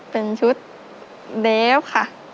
เป็นชุดเดฟค่ะ